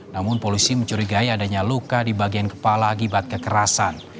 namun polisi mencurigai adanya luka di bagian kepala akibat kekerasan